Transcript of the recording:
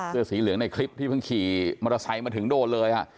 เสื้อสีเหลืองในคลิปที่เพิ่งขี่มอเตอร์ไซค์มาถึงโดนเลยฮะ